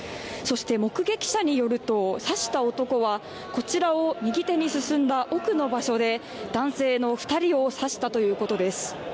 目撃者によると、刺した男はこちらを右手に進んだ奥の場所で男性２人を刺したということです。